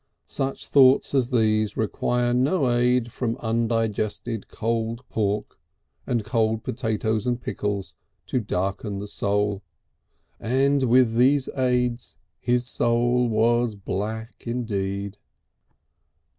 Such thoughts as these require no aid from undigested cold pork and cold potatoes and pickles to darken the soul, and with these aids his soul was black indeed.